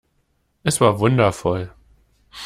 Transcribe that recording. Es war wundervoll.